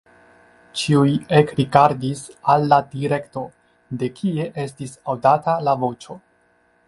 Ĉiuj ekrigardis al la direkto, de kie estis aŭdata la voĉo.